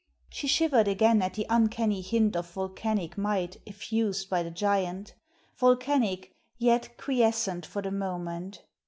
She shivered again at the uncanny hint of volcanic might effused by the giant volcanic, yet quiescent for the moment.